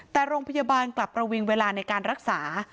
แต่โรงพยาบาลกลับประวิงเวลาในการรักษา